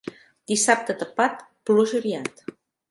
Dissabte tapat, pluja aviat.